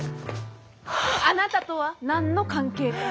あなたとは何の関係も。